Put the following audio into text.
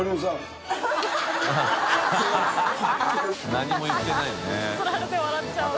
何も言ってないのに。